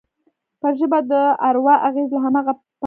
پر ژبه د اروا اغېز له هماغه پیله څرګند دی